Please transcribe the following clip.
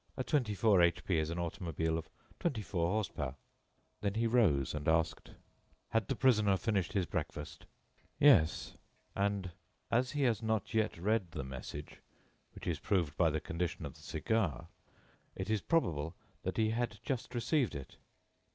A twenty four H P is an automobile of twenty four horsepower." Then he rose, and asked: "Had the prisoner finished his breakfast?" "Yes." "And as he has not yet read the message, which is proved by the condition of the cigar, it is probable that he had just received it."